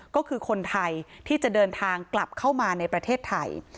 ก็คือคนไทยที่จะเดินทางกลับเข้ามาในประเทศไทย